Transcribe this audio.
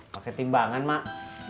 pakai timbangan mak